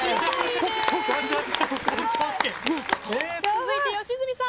続いて吉住さん。